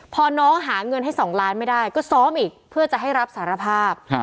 พอน้องหาเงินให้๒ล้านไม่ได้ก็ซ้อมอีกเพื่อจะให้รับสารภาพ